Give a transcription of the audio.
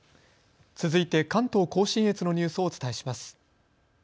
続いて関東甲信越のニュースをお伝えします。